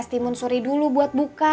timun suri dulu buat buka